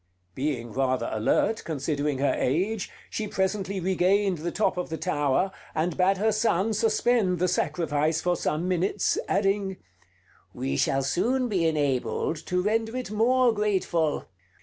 Being rather alert, considering her age, she presently regained the top of the tower, and bade her son suspend the sacrifice for some minutes, adding: "We shall soon be enabled to render it more grateful.